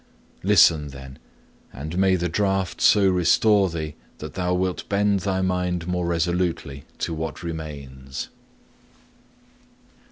Listen, then, and may the draught so restore thee that thou wilt bend thy mind more resolutely to what remains.'